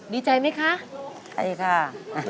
ดีใจไหมคะใช่ค่ะโอเค